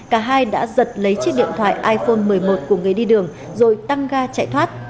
cả hai đã giật lấy chiếc điện thoại iphone một mươi một của người đi đường rồi tăng ga chạy thoát